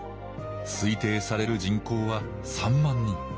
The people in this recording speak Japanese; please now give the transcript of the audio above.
推定される人口は３万人。